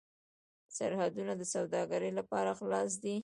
سرحدونه د سوداګرۍ لپاره خلاص دي.